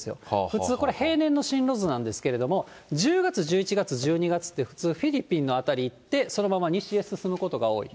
普通、これ、平年の進路図なんですけれども、１０月、１１月、１２月って、普通、フィリピンの辺り行って、そのまま西へ進むことが多い。